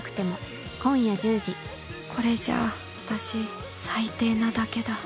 これじゃあ私、最低なだけだ。